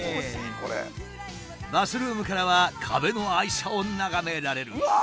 バスルームからは壁の愛車を眺められる。